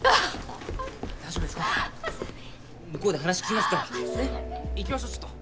向こうで話聞きますから。